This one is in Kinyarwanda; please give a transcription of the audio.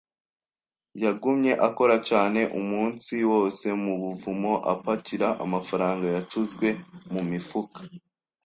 yagumye akora cyane umunsi wose mu buvumo apakira amafaranga yacuzwe mumifuka.